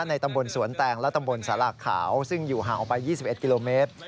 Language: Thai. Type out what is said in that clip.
ในตำบลสวนแตงและตำบลสาราขาวซึ่งอยู่ห่างออกไป๒๑กิโลเมตร